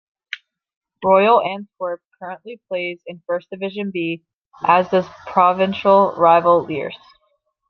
Royal Antwerp currently plays in First Division B, as does provincial rival Lierse.